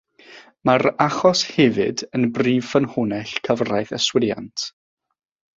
Mae'r achos hefyd yn brif ffynhonnell cyfraith yswiriant.